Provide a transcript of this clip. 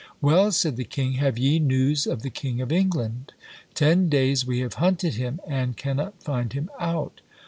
Well, said the king, have ye news of the king of England? Ten days we have hunted him, and cannot find him out.